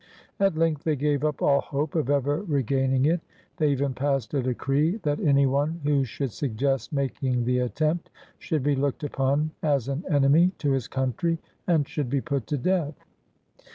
At length they gave up all hope of ever regaining it. They even passed a decree that any one who should suggest making the attempt should be looked upon as an enemy to his country and should be put to death.